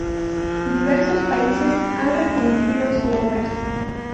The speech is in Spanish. Diversos países, han reconocido su obra.